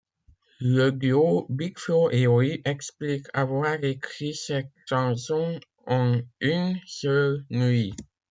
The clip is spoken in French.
Le duo Bigflo et Oli explique avoir écrit cette chanson en une seule nuit.